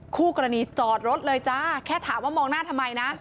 คู่กรณีจอดรถเลยจ้าแค่ถามว่ามองหน้าทำไมนะ